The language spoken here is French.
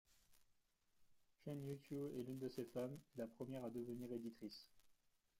Shen Yixiu est l'une de ces femmes, et la première à devenir éditrice.